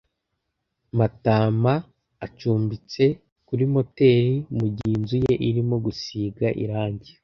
Matama acumbitse kuri motel mugihe inzu ye irimo gusiga irangi.